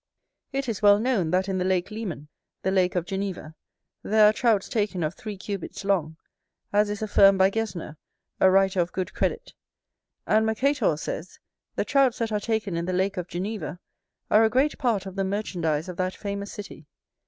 It is well known that in the Lake Leman, the Lake of Geneva, there are Trouts taken of three cubits long; as is affirmed by Gesner, a writer of good credit: and Mercator says, the Trouts that are taken in the Lake of Geneva are a great part of the merchandize of that famous city.